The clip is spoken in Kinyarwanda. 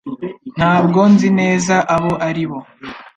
Ntabwo nzi neza abo ari bo